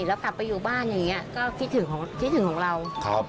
แล้วกลับไปอยู่บ้านอย่างนี้ก็คิดถึงคิดถึงของเรา